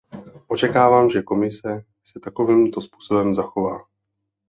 Očekávám, že Komise se takovýmto způsobem zachová.